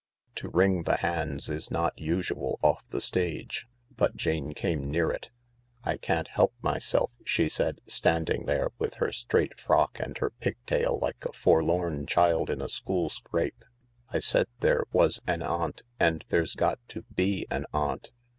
To wring the hands is not usual off the stage, but Jane came near it. " I can't help myself," she said, standing there with her THE LARK 285 straight frock and her pigtail like a forlorn child in a school scrape. " I said there was an aunt, and there's got to be an aunt.